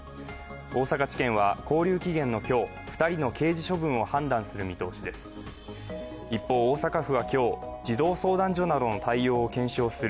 大阪地検は勾留期限の今日２人の刑事処分を判断する見通しです。